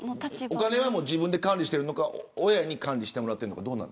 お金は自分で管理してるのか親に管理してもらっているのか。